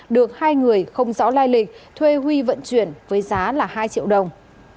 được hai người không rõ lai lịch thuê huy vận chuyển với giá là hai triệu đồng